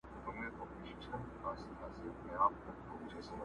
گیله من وو له اسمانه له عالمه!!